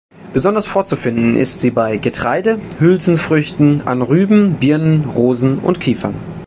Besonders vorzufinden ist sie bei Getreide, Hülsenfrüchten, an Rüben, Birnen, Rosen und Kiefern.